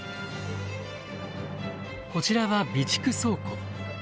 こちらは備蓄倉庫。